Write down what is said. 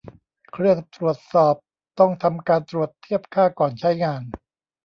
เครื่องตรวจสอบต้องทำการตรวจเทียบค่าก่อนใช้งาน